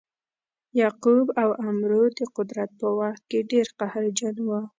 یعقوب او عمرو د قدرت په وخت کې ډیر قهرجن وه.